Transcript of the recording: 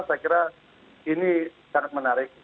saya kira ini sangat menarik